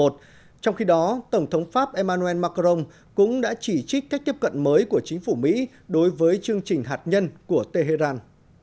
trong khi đó tổng thống pháp emmanuel macron cũng đã chỉ trích cách tiếp cận mới của chính phủ mỹ đối với chương trình hạt nhân của tehran